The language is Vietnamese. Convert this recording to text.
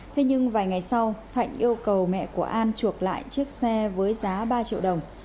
thế nhưng vài ngày sau thạnh yêu cầu mẹ của an chuộc lại chiếc xe với giá ba triệu đồng